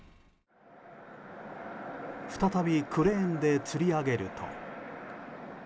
再びクレーンでつり上げると。